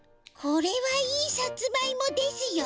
これはいいサツマイモですよ。